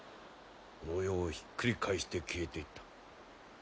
この世をひっくり返して消えていった。